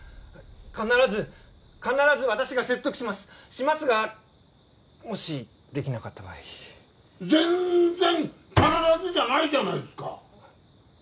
必ず必ず私が説得しますしますがもしできなかった場合全然「必ず」じゃないじゃないっすか！